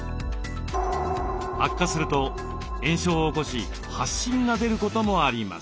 悪化すると炎症を起こし発疹が出ることもあります。